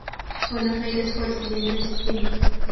Buenos Aires fue el siguiente destino.